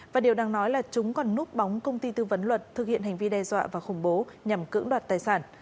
và điều đang nói là chúng còn núp bóng công ty tư vấn luật thực hiện hành vi đe dọa và khủng bố nhằm cưỡng đoạt tài sản